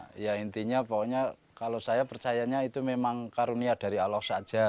ya intinya pokoknya kalau saya percayanya itu memang karunia dari allah saja